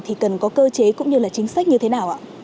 thì cần có cơ chế cũng như là chính sách như thế nào ạ